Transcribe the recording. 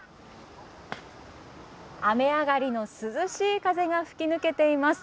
雨上がりの涼しい風が吹き抜けています。